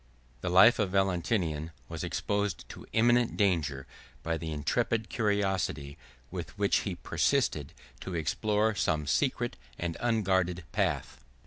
The life of Valentinian was exposed to imminent danger by the intrepid curiosity with which he persisted to explore some secret and unguarded path.